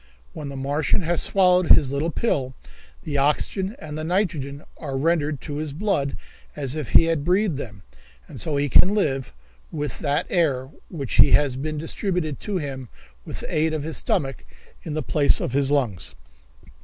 When the Martian has swallowed his little pill, the oxygen and the nitrogen are rendered to his blood as if he had breathed them, and so he can live with that air which has been distributed to him with the aid of his stomach in the place of his lungs."